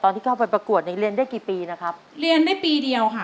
ที่เข้าไปประกวดนี้เรียนได้กี่ปีนะครับเรียนได้ปีเดียวค่ะ